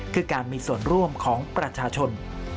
คือการมีส่วนร่วมของประชาชน